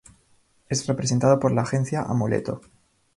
Es representado por la agencia Amuleto.